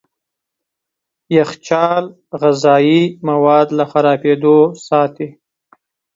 يخچال غذايي مواد له خرابېدو ساتي.